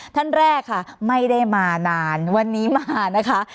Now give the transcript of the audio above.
ท่านแรกค่ะไม่ได้มานานวันนี้มานะคะ